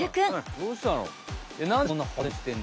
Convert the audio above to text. どうしたの？